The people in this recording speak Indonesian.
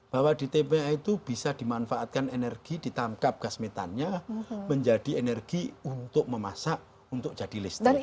bahwa di tpa itu bisa dimanfaatkan energi ditangkap gas metannya menjadi energi untuk memasak untuk jadi listrik